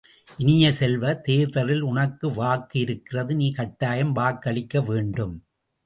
இனிய செல்வ, தேர்தலில் உனக்கு வாக்கு இருக்கிறது, நீ கட்டாயம் வாக்களிக்க வேண்டும்.